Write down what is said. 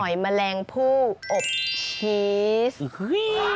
หอยแมลงผู้อบชีส